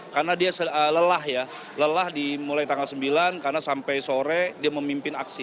karena dia lelah ya lelah dimulai tanggal sembilan karena sampai sore dia memimpin aksi